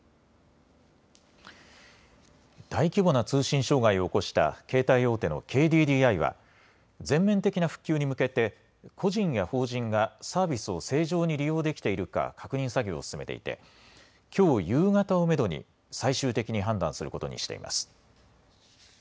大規模な通信障害を起こした携帯大手のＫＤＤＩは全面的な復旧に向けて個人や法人がサービスを正常に利用できているか確認作業を進めていてきょう夕方をめどに最終的に判断することにしています。